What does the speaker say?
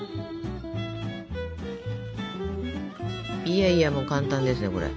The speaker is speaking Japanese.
いやいやもう簡単ですよこれ。